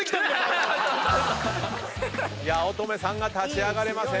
八乙女さんが立ち上がれません。